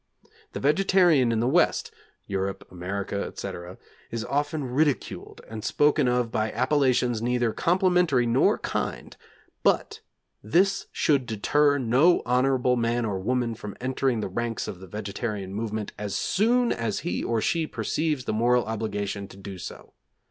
The vegetarian in the West (Europe, America, etc.) is often ridiculed and spoken of by appellations neither complimentary nor kind, but this should deter no honorable man or woman from entering the ranks of the vegetarian movement as soon as he or she perceives the moral obligation to do so.